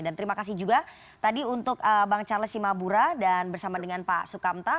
dan terima kasih juga tadi untuk bang charles simabura dan bersama dengan pak sukamta